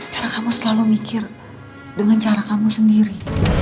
karena kamu selalu mikir dengan cara kamu sendiri